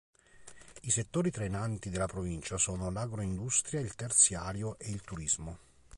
I settori trainanti della provincia sono l'agroindustria, il terziario e il turismo.